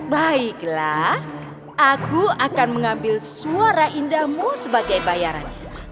baiklah aku akan mengambil suara indahmu sebagai bayaran